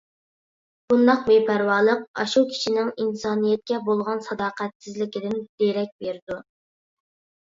بۇنداق بىپەرۋالىق ئاشۇ كىشىنىڭ ئىنسانىيەتكە بولغان ساداقەتسىزلىكىدىن دېرەك بېرىدۇ.